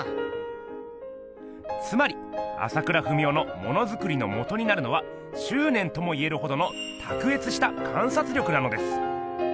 つまり朝倉文夫のものづくりのもとになるのはしゅうねんとも言えるほどのたくえつした観察力なのです。